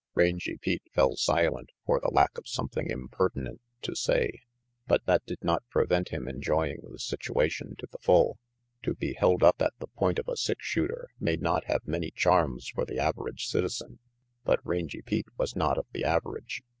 Rangy Pete fell silent for the lack of something impertinent to say, but that did not prevent him enjoying the situation to the full. To be held up at the point of a six shooter may not have many charms for the average citizen, but Rangy Pete was not of the average.